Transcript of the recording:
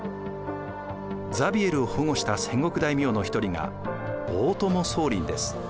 ザビエルを保護した戦国大名の一人が大友宗麟です。